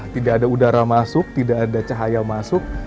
tidak ada udara masuk tidak ada cahaya masuk